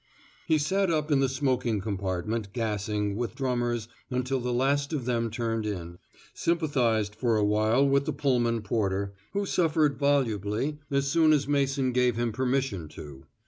He sat up in the smoking compartment gassing with drummers until the last of them turned in, sympathized for awhile with the Pullman porter, who suffered volubly as soon as Mason gave him permission to.